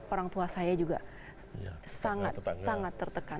orang tua saya juga sangat tertekan